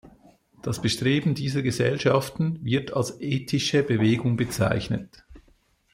Das Bestreben dieser Gesellschaften wird als ethische Bewegung bezeichnet.